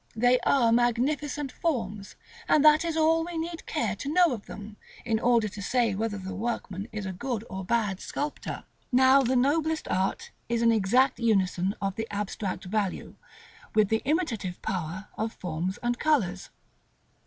They are magnificent forms, and that is all we need care to know of them, in order to say whether the workman is a good or bad sculptor. § XLIII. Now the noblest art is an exact unison of the abstract value, with the imitative power, of forms and colors.